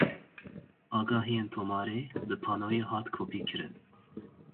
Agahiyên tomarê li panoyê hat kopîkirin.